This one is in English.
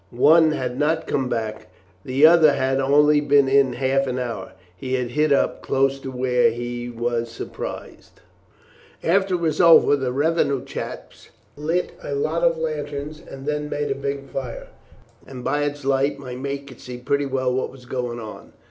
One had not come back; the other had only been in half an hour. He had hid up, close to where we was surprised. "After it was over the revenue chaps lit a lot of lanterns and then made a big fire, and by its light my mate could see pretty well what was going on.